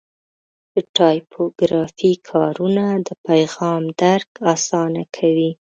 د ټایپوګرافي کارونه د پیغام درک اسانه کوي.